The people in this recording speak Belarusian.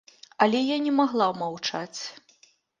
Але я не магла маўчаць.